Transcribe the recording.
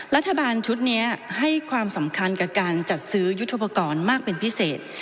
รัฐบาลชุดนี้ให้ความสำคัญกับการจัดซื้อยุทธปกรณ์มากเป็นพิเศษ